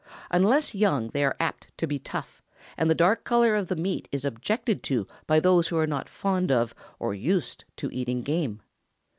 Unless young they are apt to be tough, and the dark color of the meat is objected to by those who are not fond of, or used to eating game.